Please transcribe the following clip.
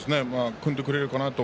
組んでくれるかなと。